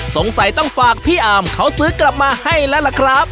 สงสัยต้องฝากพี่อาร์มเขาซื้อกลับมาให้แล้วล่ะครับ